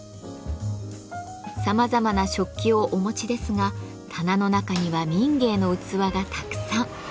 さまざまな食器をお持ちですが棚の中には民藝の器がたくさん。